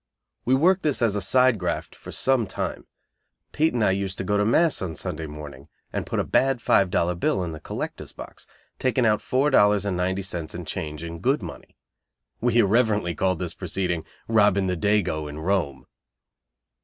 We worked this as a "side graft," for some time. Pete and I used to go to mass on Sunday morning, and put a bad five dollar bill in the collector's box, taking out four dollars and ninety cents in change, in good money. We irreverently called this proceeding "robbing the dago in Rome."